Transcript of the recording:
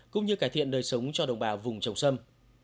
cũng như cải thiện đời sống cho đồng bào vùng trồng sâm